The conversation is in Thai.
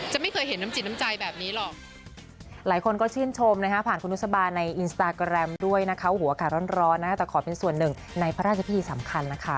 จะไม่เคยเห็นน้ำจิตน้ำใจแบบนี้หรอก